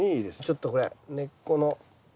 ちょっとこれ根っこの。